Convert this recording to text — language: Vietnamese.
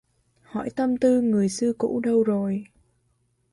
Hỏi tâm tư người xưa cũ đâu rồi?